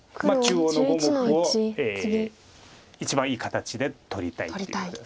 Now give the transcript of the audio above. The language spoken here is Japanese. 中央の５目を一番いい形で取りたいっていう。